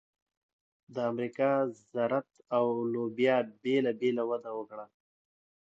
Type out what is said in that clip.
د امریکا ذرت او لوبیا بېله بېله وده وکړه.